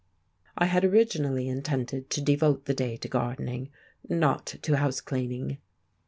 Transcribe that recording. I had originally intended to devote the day to gardening, not to house cleaning.